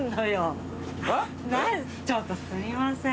ちょっとすいません。